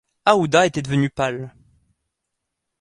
Aouda était devenue pâle.